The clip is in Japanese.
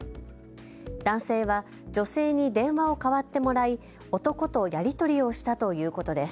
男性は女性に電話をかわってもらい、男とやり取りをしたということです。